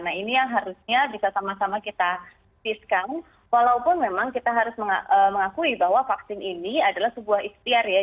nah ini yang harusnya bisa sama sama kita walaupun memang kita harus mengakui bahwa vaksin ini adalah sebuah istiar ya